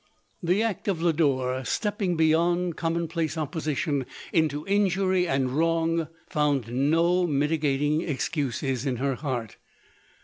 The act of Lb dore, stepping beyond common place opposition into injury and wrong, found no mitigating ex cuses in her heart.